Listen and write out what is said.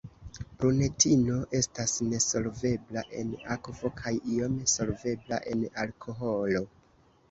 Prunetino estas nesolvebla en akvo kaj iom solvebla en alkoholo.